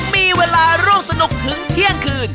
มีเวลาร่วมสนุกถึงเที่ยงคืน